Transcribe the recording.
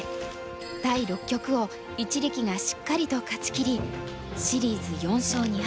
第六局を一力がしっかりと勝ちきりシリーズ４勝２敗